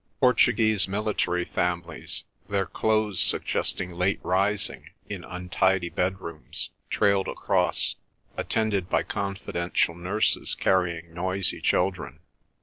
Portuguese military families, their clothes suggesting late rising in untidy bedrooms, trailed across, attended by confidential nurses carrying noisy children.